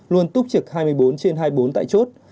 luôn túc trực hai mươi bốn trên hai mươi bốn tại chốt